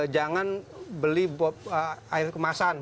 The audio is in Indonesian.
jangan beli air kemasan